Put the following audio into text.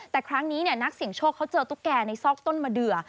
แต่ครั้งนี้นักเสี่ยงโชคเขาเจอตุ๊กแก่ในซอกต้นมะเดือ